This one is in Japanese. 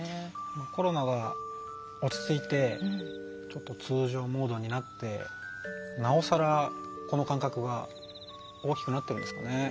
コロナが落ち着いて通常モードになってなおさら、この感覚が大きくなってるんですかね。